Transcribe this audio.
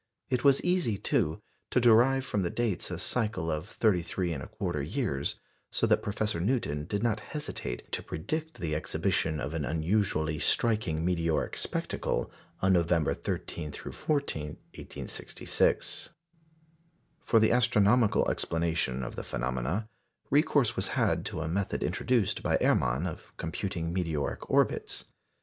It was easy, too, to derive from the dates a cycle of 33 1/4 years, so that Professor Newton did not hesitate to predict the exhibition of an unusually striking meteoric spectacle on November 13 14, 1866. For the astronomical explanation of the phenomena, recourse was had to a method introduced by Erman of computing meteoric orbits.